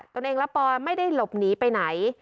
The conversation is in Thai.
ตัวเองและปอยไม่ได้หลบหนีไปไหน